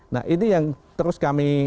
nah ini yang terus kami